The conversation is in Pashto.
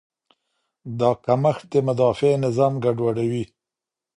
دا کمښت د مدافع نظام ګډوډوي.